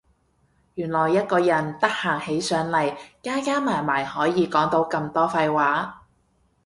原來一個人得閒起上嚟加加埋埋可以講到咁多廢話